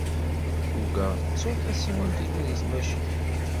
Ugaɣ ttuɣ tasiwant-inu deg tmacint.